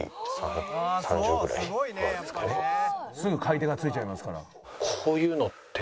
すぐ買い手がついちゃいますから。